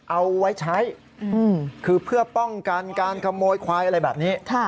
เอาไว้ใช้คือเพื่อป้องกันการขโมยควายอะไรแบบนี้